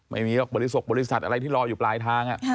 ไม่มีหรอกบริสุกบริษัทอะไรที่รออยู่ปลายทาง